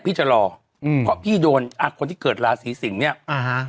พี่จะรออืมเพราะพี่โดนอ่ะคนที่เกิดราศีสิงศ์เนี้ยอ่าฮะ